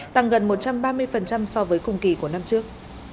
tăng gần một trăm ba mươi so với cùng kỳ của năm trước